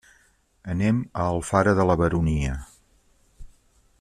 Anem a Alfara de la Baronia.